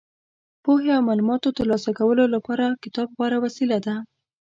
پوهې او معلوماتو ترلاسه کولو لپاره کتاب غوره وسیله ده.